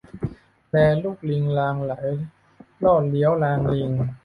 แลลูกลิงลางไหล้ ลอดเลี้ยวลางลิง